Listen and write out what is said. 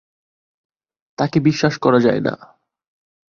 তাকে বিশ্বাস করা যায় না।